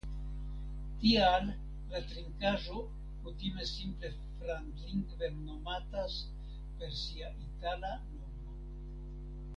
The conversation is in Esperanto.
Tial la trinkaĵo kutime simple framdlingve nomatas per sia itala nomo.